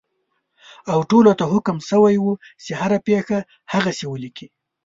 او ټولو ته حکم شوی وو چې هره پېښه هغسې ولیکي.